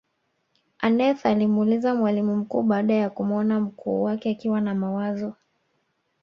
aneth alimuuliza mwalimu mkuu baada ya kumuona mkuu wake akiwa na mawazo